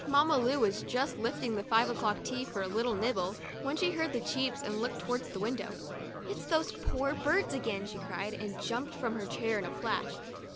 Mamma Lu was just lifting the five o'clock tea for a little nibble, when she heard the cheeps and looked towards the window. " It's those poor birds again," she cried, and jumped from her chair in a flash.